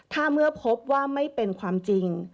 ถ้าเมื่อพบว่าไม่เป็นความจริง